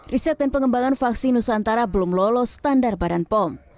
riset dan pengembangan vaksin nusantara belum lolos standar badan pom